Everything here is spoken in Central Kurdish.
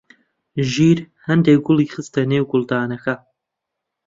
ژیار هەندێک گوڵی خستە نێو گوڵدانەکە.